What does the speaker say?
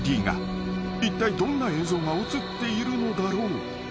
［いったいどんな映像が写っているのだろう？］